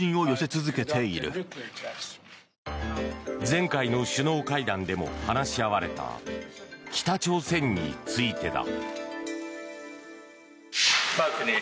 前回の首脳会談でも話し合われた北朝鮮についてだ。